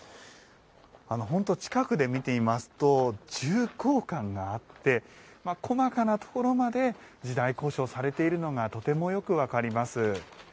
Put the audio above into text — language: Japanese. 本当に近くで見ていますと重厚感があって細かなところまで時代考証されているのがとてもよく分かります。